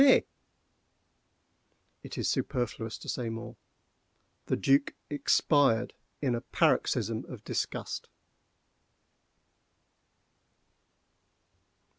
_" It is superfluous to say more:—the Duc expired in a paroxysm of disgust.